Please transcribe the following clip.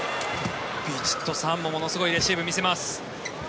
ヴィチットサーンもものすごいレシーブを見せます。